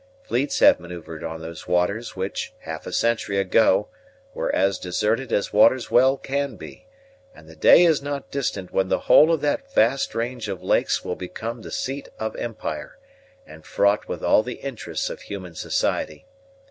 Fleets have manoeuvered on those waters, which, half a century ago, were as deserted as waters well can be; and the day is not distant when the whole of that vast range of lakes will become the seat of empire, and fraught with all the interests of human society.